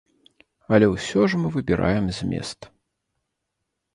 Але ўсё ж мы выбіраем змест.